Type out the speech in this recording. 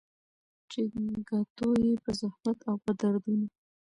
چي ګټو يې په زحمت او په دردونو